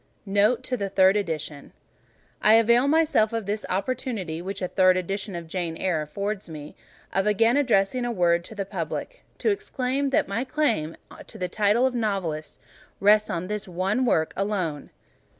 NOTE TO THE THIRD EDITION I avail myself of the opportunity which a third edition of "Jane Eyre" affords me, of again addressing a word to the Public, to explain that my claim to the title of novelist rests on this one work alone.